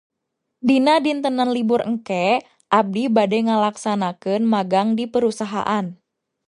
Dina dintenan libur engke, abdi bade ngalaksanakeun magang di perusahaan